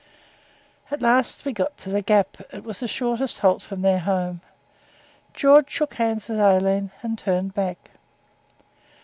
At last we got to the Gap; it was the shortest halt from their home. George shook hands with Aileen, and turned back.